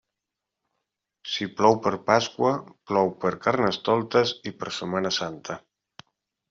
Si plou per Pasqua, plou per Carnestoltes i per Setmana Santa.